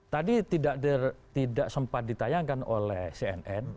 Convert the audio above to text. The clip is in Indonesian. tadi tidak sempat ditayangkan oleh cnn